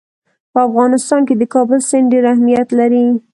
په افغانستان کې د کابل سیند ډېر اهمیت لري.